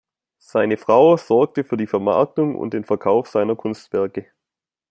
Seine Frau sorgte für die Vermarktung und den Verkauf seiner Kunstwerke.